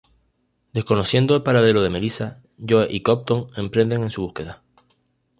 Desconociendo el paradero de Melissa, Joe y Compton emprenden en su búsqueda.